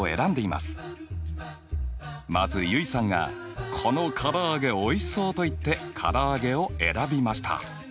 まず結衣さんがこの唐揚げおいしそうと言って唐揚げを選びました。